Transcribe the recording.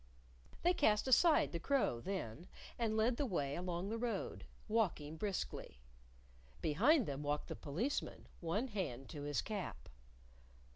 They cast aside the crow, then, and led the way along the road, walking briskly. Behind them walked the Policeman, one hand to his cap.